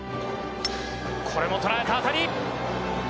これも捉えた当たり。